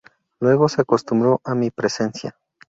Luego se acostumbró a mi presencia.